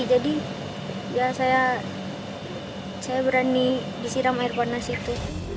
jadi ya saya berani disiram air panas itu